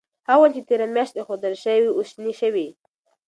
هغه ونې چې تیره میاشت ایښودل شوې وې اوس شنې شوې.